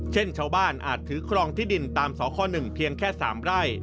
เช่นชาวบ้านอาจถือครองที่ดินตามสค๑เพียงแค่๓ไร่